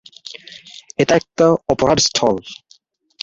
এটা একটা অপরাধস্থল।